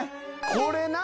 これな！